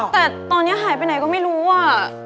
แต่ตอนนี้หายไปไหนก็ไม่รู้อ่ะ